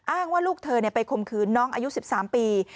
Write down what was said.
อ้างว่าลูกเธอเนี่ยไปคมคืนน้องอายุ๑๓ปี